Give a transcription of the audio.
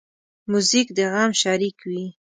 موزیک د غم شریک وي.